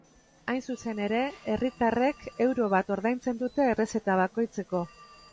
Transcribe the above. Hain zuzen ere, herritarrek euro bat ordaintzen dute errezeta bakoitzeko.